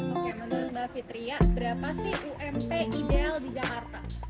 oke menurut mbak fitria berapa sih ump ideal di jakarta